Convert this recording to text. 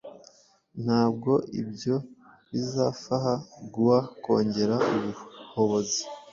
Ntabwo ibyo bizafaha gua kongera ubuhobozi